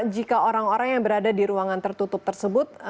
jika orang orang yang berada di ruangan tertutup tersebut